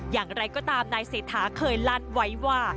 อย่างไรก็ตามนายเศรษฐาเคยลั่นไว้ว่า